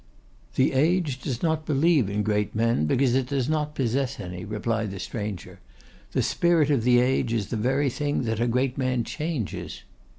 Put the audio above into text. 'The age does not believe in great men, because it does not possess any,' replied the stranger. 'The Spirit of the Age is the very thing that a great man changes.